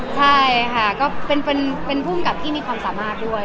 ใช่ค่ะก็เป็นฟและงแฟนของมีความสำหรับด้วย